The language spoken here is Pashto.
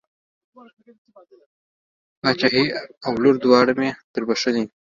پاچهي او لور دواړه مې در بښلې.